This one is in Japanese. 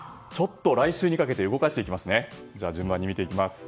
来週にかけて動かしていきます。